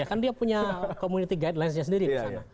ya kan dia punya community guidelinesnya sendiri